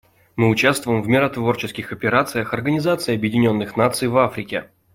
Мы участвуем в миротворческих операциях Организации Объединенных Наций в Африке.